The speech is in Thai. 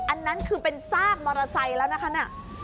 อันนั้นคือเป็นซากมอเตอร์ไซค์แล้วนะคะเนี่ย